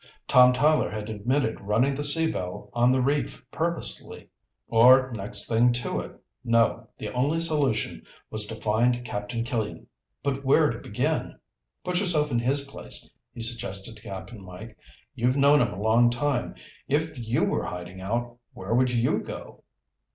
Tom Tyler had admitted running the Sea Belle on the reef purposely, or next thing to it. No, the only solution was to find Captain Killian. But where to begin? "Put yourself in his place," he suggested to Cap'n Mike. "You've known him a long time. If you were hiding out, where would you go?"